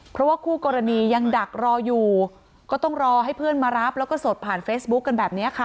เพราะว่าคู่กรณียังดักรออยู่ก็ต้องรอให้เพื่อนมารับแล้วก็สดผ่านเฟซบุ๊คกันแบบนี้ค่ะ